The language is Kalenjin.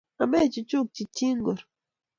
Amechuchukchi chi ngor.